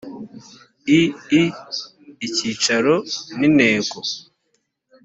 ii icyicaro n’intego